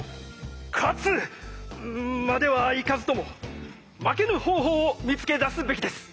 勝つまではいかずとも負けぬ方法を見つけ出すべきです。